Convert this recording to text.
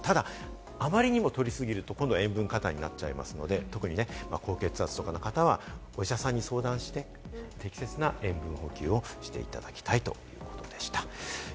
ただあまりにも取り過ぎると塩分過多になっちゃいますので、特に高血圧の方とかは、お医者さんに相談して、適切な塩分補給をしていただきたいと思いました。